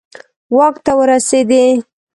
واک ته ورسېدي.